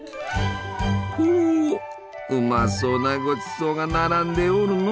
ほううまそうなごちそうが並んでおるのう！